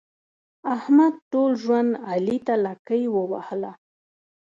احمد ټول ژوند علي ته لکۍ ووهله.